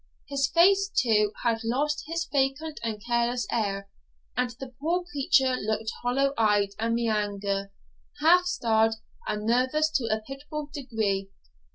His face, too, had lost its vacant and careless air, and the poor creature looked hollow eyed, meagre, half starved, and nervous to a pitiable degree.